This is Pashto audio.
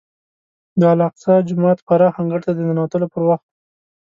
د الاقصی جومات پراخ انګړ ته د ننوتلو پر وخت.